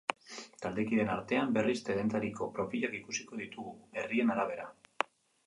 Taldekideen artean, berriz, denetariko profilak ikusiko ditugu, herrien arabera.